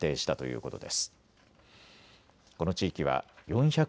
この地域は４００